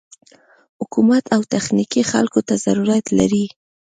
حکومت و تخنيکي خلکو ته ضرورت لري.